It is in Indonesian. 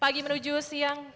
pagi menuju siang